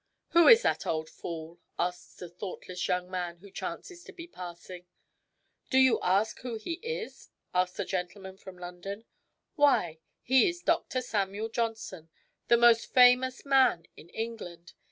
"Who is that old fool.?" asks a thoughtless young man who chances to be passing. " Do you ask who he is ?" answers a gentleman from London. " Why, he is Dr. Samuel John son, the most famous man in England.